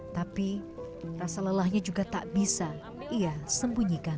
tapi rasa lelahnya juga tak bisa ia sembunyikan